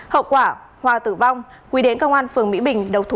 hậu quả hòa tử vong quý đến công an phường mỹ bình đầu thú